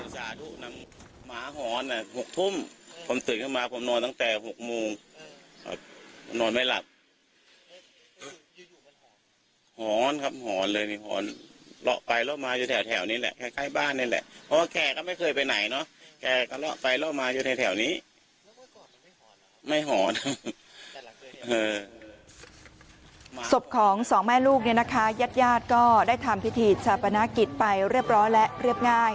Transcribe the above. ศพของสองแม่ลูกเนี่ยนะคะญาติญาติก็ได้ทำพิธีชาปนกิจไปเรียบร้อยและเรียบง่าย